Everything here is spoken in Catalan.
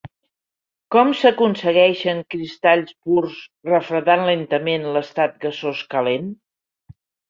Com s'aconsegueixen cristalls purs refredant lentament l'estat gasós calent?